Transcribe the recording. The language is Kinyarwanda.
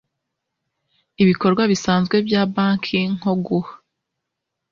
ibikorwa bisanzwe bya banki nko guha